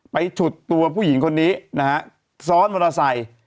ไปฉุดตัวผู้หญิงซ้อนอเมอเตอร์ไซส์